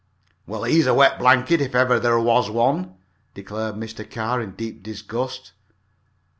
"Well, he's a wet blanket, if ever there was one!" declared Mr. Carr, in deep disgust.